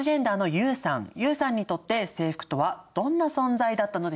ユウさんにとって制服とはどんな存在だったのでしょうか？